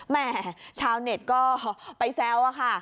แม่ชาวเน็ตก็ไปแซวอะค่ะ